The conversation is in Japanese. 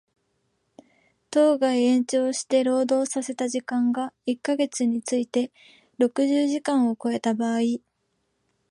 当該延長して労働させた時間が一箇月について六十時間を超えた場合